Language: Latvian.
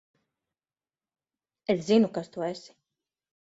Es zinu, kas tu esi.